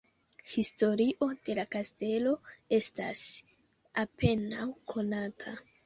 Historio de la kastelo estas apenaŭ konata.